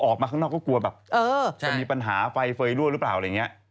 ออกมาข้างนอกก็กลัวแบบจะมีปัญหาไฟเฟย์รั่วหรือเปล่าอะไรอย่างนี้